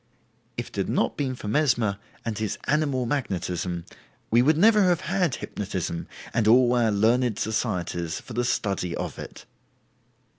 If it had not been for Mesmer and his "Animal Magnetism", we would never have had "hypnotism" and all our learned societies for the study of it.